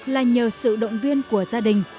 là nhờ sự động viên của gia đình